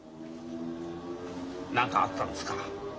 何かあったんですか？